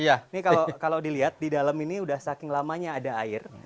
ini kalau dilihat di dalam ini sudah saking lamanya ada air